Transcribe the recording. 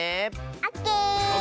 オッケー！